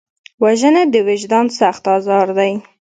وژنه د وجدان سخت ازار دی